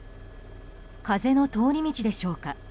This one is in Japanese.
風の通り道でしょうか。